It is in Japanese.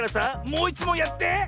もういちもんやって！